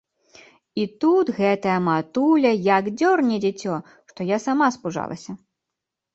І тут гэтая матуля як дзёрне дзіцё, што я сама спужалася.